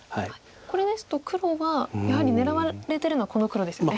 これですと黒がやはり狙われてるのはこの黒ですよね。